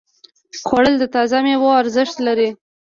خوړل د تازه ميوو ارزښت لري